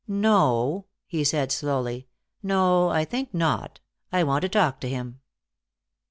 "No," he said slowly. "No. I think not. I want to talk to him."